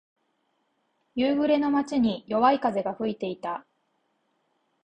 夕暮れの街に、弱い風が吹いていた。